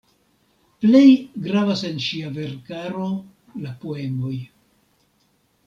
Plej gravas en ŝia verkaro la poemoj.